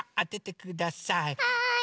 はい！